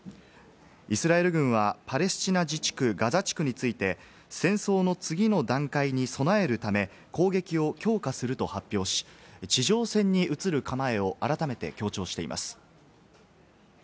イスラエル軍はパレスチナ自治区ガザ地区について戦争の次の段階に備えるため、攻撃を強化すると発表し、地上戦に移る構えを改めて強調しています。